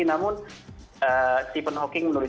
namun stephen hawking menurutku